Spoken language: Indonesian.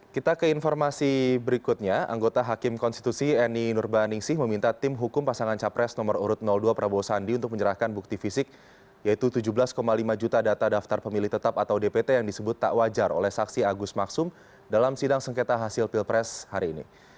kita ke informasi berikutnya anggota hakim konstitusi eni nurbaningsih meminta tim hukum pasangan capres nomor urut dua prabowo sandi untuk menyerahkan bukti fisik yaitu tujuh belas lima juta data daftar pemilih tetap atau dpt yang disebut tak wajar oleh saksi agus maksum dalam sidang sengketa hasil pilpres hari ini